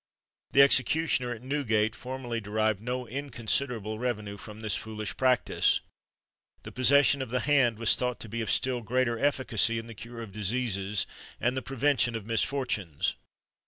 The executioner at Newgate formerly derived no inconsiderable revenue from this foolish practice. The possession of the hand was thought to be of still greater efficacy in the cure of diseases and the prevention of misfortunes.